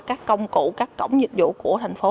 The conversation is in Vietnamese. các công cụ các cổng dịch vụ của thành phố